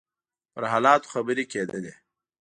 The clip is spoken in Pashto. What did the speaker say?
پر حالاتو خبرې کېدلې.